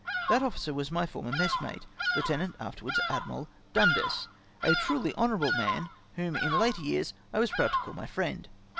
That officer was my former messmate Lieutenant — afterwards Adnikal — Dundas, a truly honourable man, whom, in later years, I was proud to call my friend.